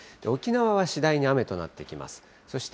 沖縄はしだいに雨となってきます。